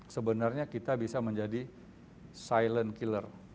sebenarnya kita bisa menjadi silent killer